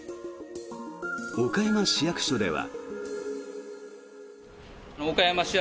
岡山市役所では。